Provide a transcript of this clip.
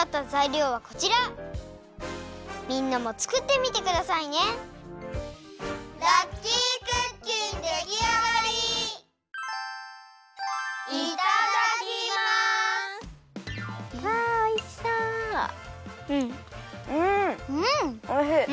うんおいしい！